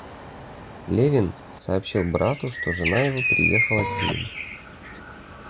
Левин сообщил брату, что жена его приехала с ним.